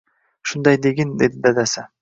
Shunday degin… – dedi dadasi.